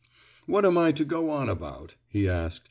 "What am I to go on about?" he asked.